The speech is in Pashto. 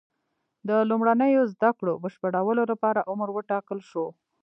د لومړنیو زده کړو بشپړولو لپاره عمر وټاکل شو.